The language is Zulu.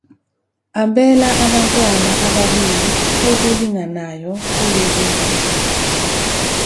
Abela abantwana ababili okulinganayo kulezi zinto.